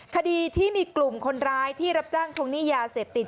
คดีที่มีกลุ่มคนร้ายที่รับจ้างทวงหนี้ยาเสพติด